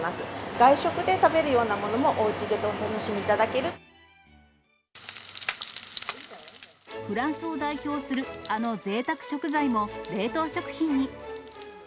外食で食べるようなものも、フランスを代表するあのぜいたく食材も、冷凍食品に。